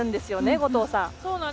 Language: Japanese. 後藤さん。